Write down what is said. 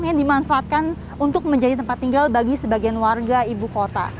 yang dimanfaatkan untuk menjadi tempat tinggal bagi sebagian warga ibu kota